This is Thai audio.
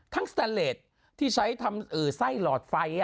ทั้งสแตนเลสที่ใช้ทำใส่หลอดไฟ